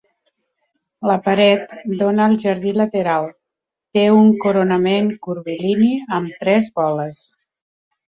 La paret dóna al jardí lateral, té un coronament curvilini amb tres boles.